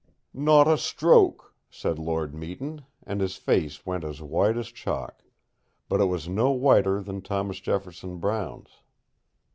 "Not a stroke," said Lord Meton, and his face went as white as chalk; but it was no whiter than Thomas Jefferson Brown's.